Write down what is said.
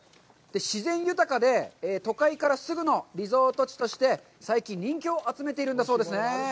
自然豊かで、都会からすぐの、リゾート地として、最近、人気を集めているんだそうですね。